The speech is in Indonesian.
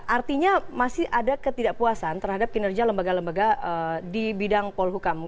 artinya masih ada ketidakpuasan terhadap kinerja lembaga lembaga di bidang polhukam